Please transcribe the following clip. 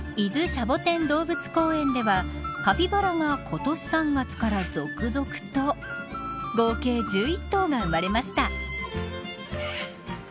シャボテン動物公園ではカピバラが今年３月から続々と合計１１頭が生まれました。